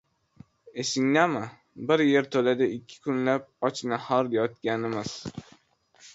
Esingdami, bir yerto‘lada ikki kunlab och-nahor yotganimiz?